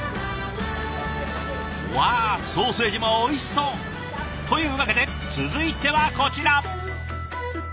わあソーセージもおいしそう。というわけで続いてはこちら。